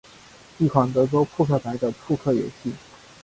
一款德州扑克版的扑克游戏。